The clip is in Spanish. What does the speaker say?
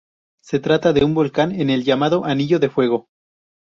Se trata de un volcán en el llamado "Anillo de Fuego".